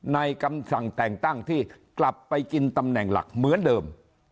คำสั่งแต่งตั้งที่กลับไปกินตำแหน่งหลักเหมือนเดิม